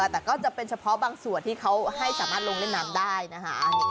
แต่ก็จะเป็นเฉพาะบางส่วนที่เขาให้สามารถลงเล่นน้ำได้นะคะ